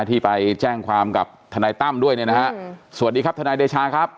ที่ไปแจ้งความกับทนายตั้มด้วยเนี่ยนะฮะสวัสดีครับทนายเดชาครับ